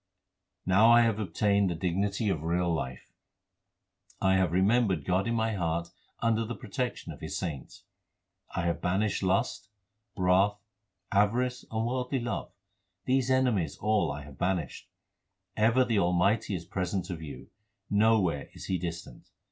Now I have obtained the dignity of real life. I have remembered God in my heart under the protection of the saints. I have banished lust, wrath, avarice, and worldly love ; these enemies all have I banished. Ever the Almighty is present to view ; nowhere is He distant.